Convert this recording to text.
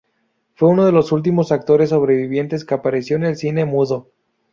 Fue uno de los últimos actores sobrevivientes que apareció en el cine mudo.